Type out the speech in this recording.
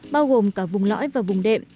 bao gồm cả vùng lõi và vùng đệm